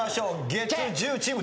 月１０チーム。